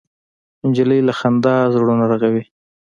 نجلۍ له خندا زړونه رغوي.